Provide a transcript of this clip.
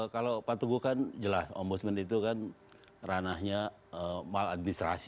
kalau pak teguh kan jelas ombudsman itu kan ranahnya maladministrasi